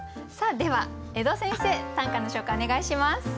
では江戸先生短歌の紹介お願いします。